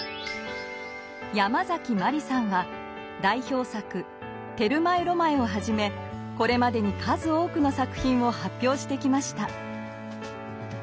ヤマザキマリさんは代表作「テルマエ・ロマエ」をはじめこれまでに数多くの作品を発表してきました。